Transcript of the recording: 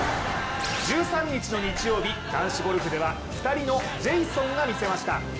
１３日の日曜日、男子ゴルフでは２人のジェイソンが見せました！